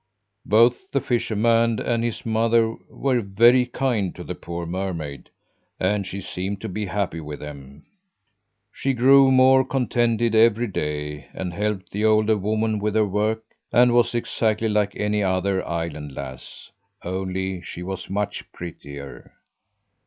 "Both the fisherman and his mother were very kind to the poor mermaid, and she seemed to be happy with them. She grew more contented every day and helped the older woman with her work, and was exactly like any other island lass only she was much prettier.